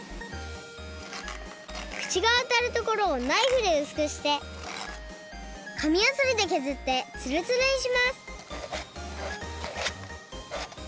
くちがあたるところをナイフでうすくしてかみやすりでけずってつるつるにします！